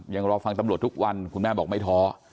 ยังรอฟังตำรวจทุกวันคุณแม่บอกไม่ท้อ